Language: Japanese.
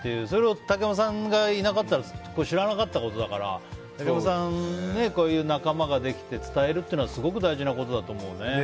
それを竹山さんがいなかったら知らなかったことだから竹山さん、こういう仲間ができて伝えるっていうのはすごく大事なことだと思うね。